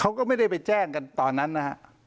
เขาก็ไม่ได้ไปแจ้งกันตอนนั้นนะฮะ